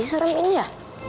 serem ini ya